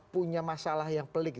punya masalah yang pelik